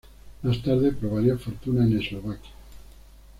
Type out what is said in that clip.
Más tarde, probaría fortuna en Eslovaquia.